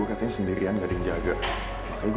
aku kangen banget sama kamu